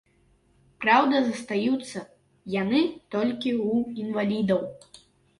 Праўда, застаюцца яны толькі ў інвалідаў.